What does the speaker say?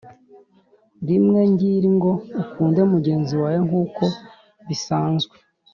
rimwe ngiri ngo Ukunde mugenzi wawe nk uko bisanzwe